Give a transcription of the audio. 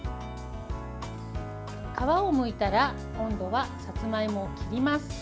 皮をむいたら今度はさつまいもを切ります。